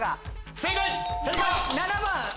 正解！